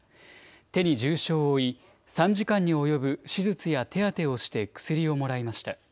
手に重傷を負い３時間に及ぶ手術や手当てをして薬をもらいました。